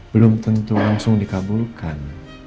belum tentu langsung dikabulkan